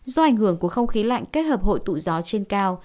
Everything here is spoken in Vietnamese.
do ảnh hưởng của không khí lạnh kết hợp hội tụ gió trên cao